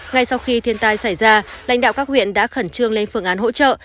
ngay sau khi thiên tai xảy ra lãnh đạo các huyện đã khẩn trương lên phương án hỗ trợ